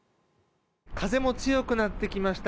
風も強くなってきました。